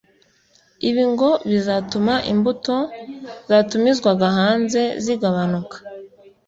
Ibi ngo bizatuma imbuto zatumizwaga hanze zigabanuka